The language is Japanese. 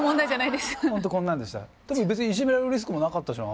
でも別にいじめられるリスクもなかったしな。